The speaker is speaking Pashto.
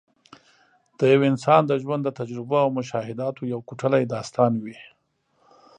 د یو انسان د ژوند د تجربو او مشاهداتو یو کوټلی داستان وي.